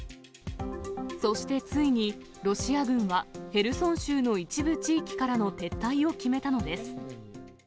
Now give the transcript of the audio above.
そしてついに、ロシア軍はヘルソン州の一部地域からの撤退を決めたのです。